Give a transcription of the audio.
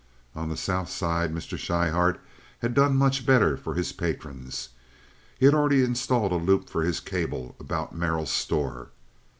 (On the South Side Mr. Schryhart had done much better for his patrons. He had already installed a loop for his cable about Merrill's store.)